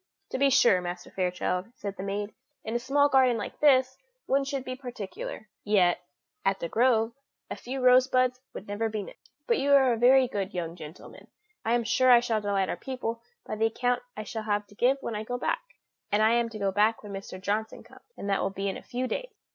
"To be sure, Master Fairchild," said the maid, "and that is just right. In a small garden like this one should be particular; yet, at The Grove, a few rose buds would never be missed. But you are a very good young gentleman to be so attentive to your dear mamma; I am sure I shall delight our people by the account I shall have to give when I go back; and I am to go back when Mrs. Johnson comes, and that will be in a few days.